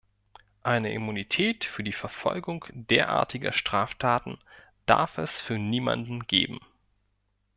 Eine Immunität für die Verfolgung derartiger Straftaten darf es für niemanden geben.